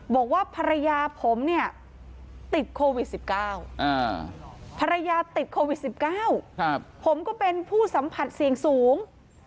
บอกว่าภรรยาผมเนี่ยติดโควิด๑๙ภรรยาติดโควิด๑๙ผมก็เป็นผู้สัมผัสเสี่ยงสูง